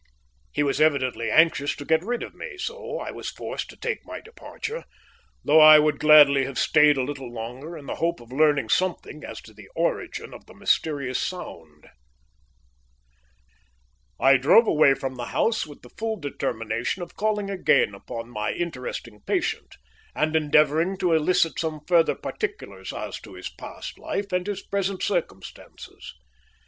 He was evidently anxious to get rid of me, so I was forced to take my departure, though I would gladly have stayed a little longer, in the hope of learning something as to the origin of the mysterious sound. I drove away from the house with the full determination of calling again upon my interesting patient, and endeavouring to elicit some further particulars as to his past life and his present circumstances.